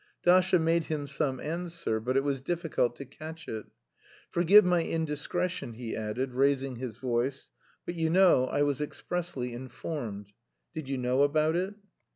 Dasha made him some answer, but it was difficult to catch it. "Forgive my indiscretion," he added, raising his voice, "but you know I was expressly informed. Did you know about it?"